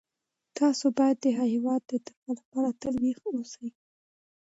تاسو باید د هیواد د دفاع لپاره تل ویښ اوسئ.